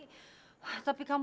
aku sudah mencari kamu